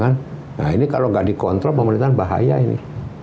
nah ini kalau nggak dikontrol pemerintahan bahaya ini